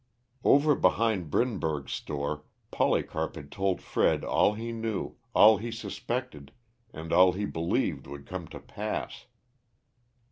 Over behind Brinberg's store, Polycarp had told Fred all he knew, all he suspected, and all he believed would come to pass.